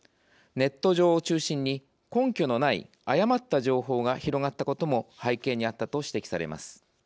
ネット上を中心に根拠のない誤った情報が広がったことも背景にあったと指摘されます。